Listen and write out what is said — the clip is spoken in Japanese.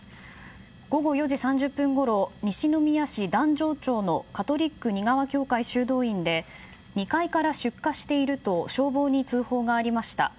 午後４時３０分ごろ西宮市段上町のカトリック仁川教会修道院で２階から出火していると消防に通報がありました。